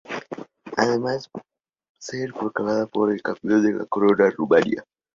Además se proclama de nuevo campeón de la Copa de Rumania.